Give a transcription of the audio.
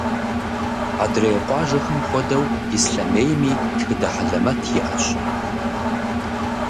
Адрей къуажэхэм хуэдэу, Ислъэмейми тхыдэ хьэлэмэт иӏэщ.